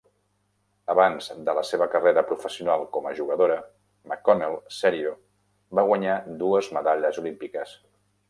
Abans de la seva carrera professional com a jugadora, McConnell Serio va guanyar dues medalles olímpiques.